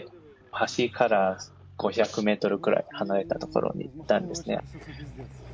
橋から５００メートルくらい離れた所に行ったんですね。